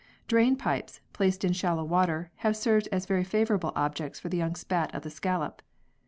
Drain pipes, placed in shallow water, have served as very favourable objects for the young spat of the scallop.